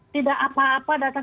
tidak apa apa datang